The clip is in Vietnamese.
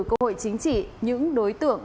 cơ hội chính trị những đối tượng